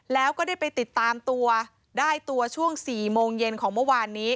แล้วก็ได้ไปติดตามตัวได้ตัวช่วง๔โมงเย็นของเมื่อวานนี้